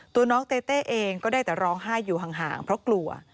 ตัวน้องเต้เต้เองก็ได้แต่ร้องไห้อยู่ห่างเพราะกลัว